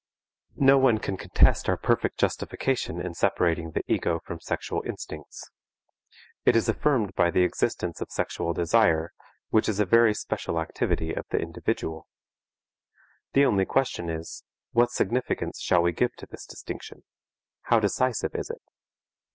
No one can contest our perfect justification in separating the ego from sexual instincts. It is affirmed by the existence of sexual desire, which is a very special activity of the individual. The only question is, what significance shall we give to this distinction, how decisive is it?